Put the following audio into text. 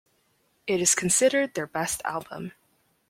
It is considered their best album.